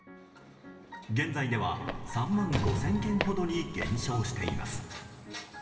現在では、３万５０００軒ほどに減少しています。